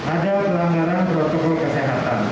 ada pelanggaran protokol kesehatan